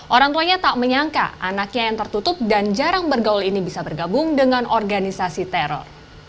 orang tuanya tak menyangka anaknya yang tertutup dan jarang bergaul ini bisa bergabung dengan organisasi teror